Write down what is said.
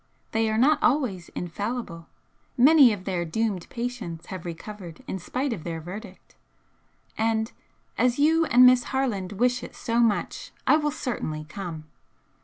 They are not always infallible. Many of their doomed patients have recovered in spite of their verdict. And as you and Miss Harland wish it so much I will certainly come."